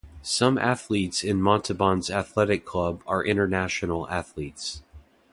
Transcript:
Some athletes in Montauban's athletic club are international athletes.